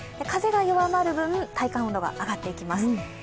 風が弱まる分、体感温度が上がっていきます。